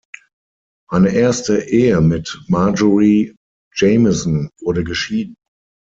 Eine erste Ehe mit Marjorie Jamison wurde geschieden.